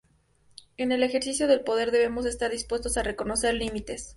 En el ejercicio del poder, debemos estar dispuestos a reconocer límites.